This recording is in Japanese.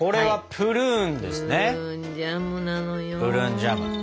プルーンジャム。